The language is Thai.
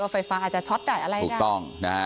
ว่าไฟฟ้าอาจจะช็อตได้อะไรกันถูกต้อง